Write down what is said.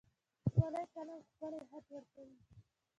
ښکلی قلم ښکلی خط ورکوي.